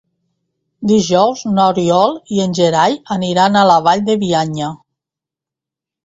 Dijous n'Oriol i en Gerai aniran a la Vall de Bianya.